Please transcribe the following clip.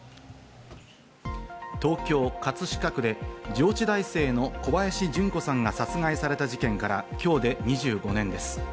東京・葛飾区で上智大生の小林順子さんが殺害された事件から今日で２５年です。